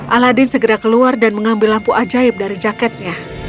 aladin segera keluar dan mengambil lampu ajaib dari jaketnya